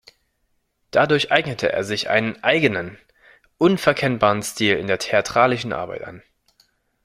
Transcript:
Dadurch eignete er sich einen eigenen, unverkennbaren Stil in der theatralischen Arbeit an.